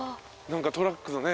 何かトラックのね。